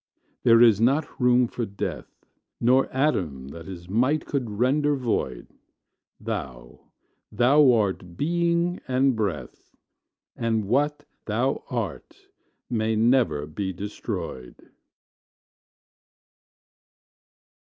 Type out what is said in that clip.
There is not room for Death, Nor atom that his might could render void; Thou Thou art Being and Breath, And what Thou art may never be destroyed.